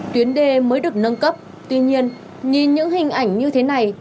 tuyến đê mới được nâng cấp tuy nhiên nhìn những hình ảnh như thế này